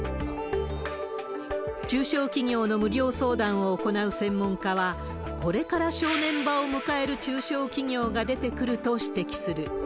中小企業の無料相談を行う専門家は、これから正念場を迎える中小企業が出てくると指摘する。